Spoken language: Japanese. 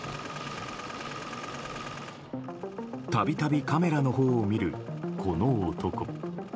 度々、カメラのほうを見るこの男。